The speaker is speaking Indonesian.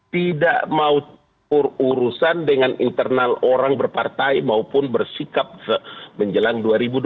tidak mau urusan dengan internal orang berpartai maupun bersikap menjelang dua ribu dua puluh